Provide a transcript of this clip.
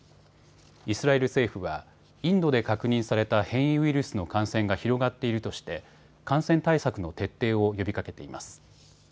イスラエル政府はインドで確認された変異ウイルスの感染が広がっているとして感染対策の徹底を呼びかけています。